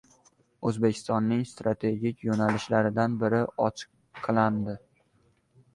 O‘zbekistonning strategik yo‘nalishlaridan biri ochiqlandi